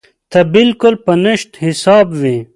ته بالکل په نشت حساب وې.